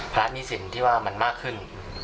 พระราชมีสินที่ว่ามันมากขึ้น